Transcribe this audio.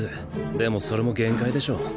でもそれも限界でしょ。